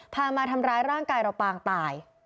มาทำร้ายร่างกายเราปางตาย